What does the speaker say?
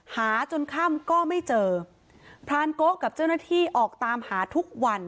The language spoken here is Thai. จนค่ำก็ไม่เจอพรานโกะกับเจ้าหน้าที่ออกตามหาทุกวัน